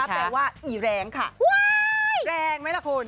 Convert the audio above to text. แปลว่าอีแรงค่ะแรงไหมล่ะคุณ